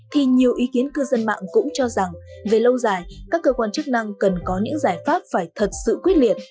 thì nhiều ý kiến cư dân mạng cũng cho rằng về lâu dài các cơ quan chức năng cần có những giải pháp phải thật sự quyết liệt